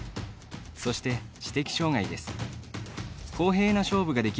そして、知的障がいです。